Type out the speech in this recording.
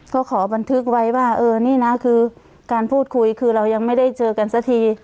ก็ขอบันทึกไว้ว่าเออนี่นะคือการพูดคุยคือเรายังไม่ได้เจอกันสักที